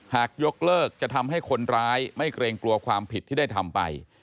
หากยกเลิกจะทำให้คนร้ายไม่เกรงกลัวความผิดที่ได้ทำไป